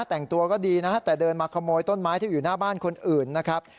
แต่งตัวก็ดีนะแต่เดินมาขโมยต้นไม้ที่อยู่หน้าบ้านคนอื่นนะครับ